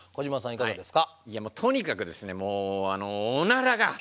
いかがですか？